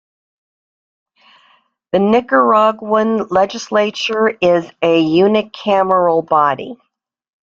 The Nicaraguan legislature is a unicameral body.